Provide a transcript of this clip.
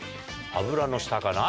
油の下かな？